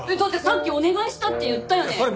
だってさっきお願いしたって言ったよね？